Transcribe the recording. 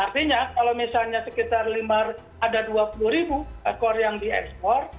artinya kalau misalnya sekitar ada dua puluh ribu ekor yang diekspor